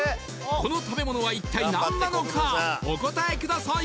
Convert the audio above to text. この食べ物は一体何なのかお答えください